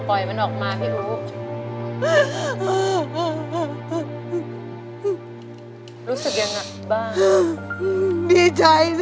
ปล่อยมันออกมาพี่อู๋